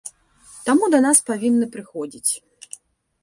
Таму, да нас павінны прыходзіць.